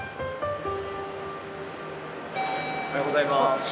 おはようございます。